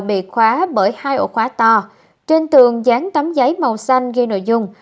bị khóa bởi hai ổ khóa to trên tường dán tấm giấy màu xanh ghi nội dung